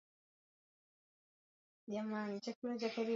kampeini nyingine ilifanyika mwaka elfu mbili kumi na sita